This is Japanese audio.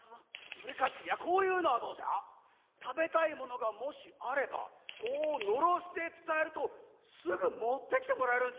それかじいやこういうのはどうじゃ食べたいものがもしあればこうのろしで伝えるとすぐ持ってきてもらえるんじゃ。